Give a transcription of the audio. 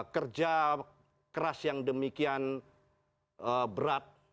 kerja keras yang demikian berat